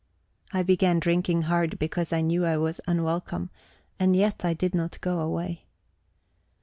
I began drinking hard because I knew I was unwelcome; and yet I did not go away.